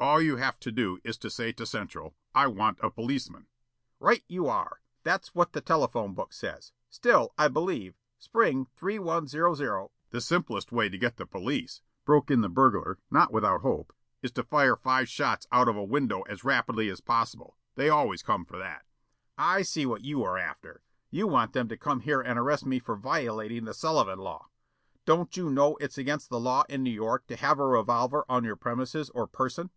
"All you have to do is to say to Central: 'I want a policeman.'" "Right you are. That's what the telephone book says. Still I believe Spring 3100 " "The simplest way to get the police," broke in the burglar, not without hope, "is to fire five shots out of a window as rapidly as possible. They always come for that." "I see what you are after. You want them to come here and arrest me for violating the Sullivan Law. Don't you know it's against the law in New York to have a revolver on your premises or person?